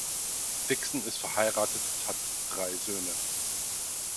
Dickson ist verheiratet und hat drei Söhne.